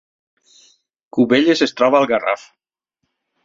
Cubelles es troba al Garraf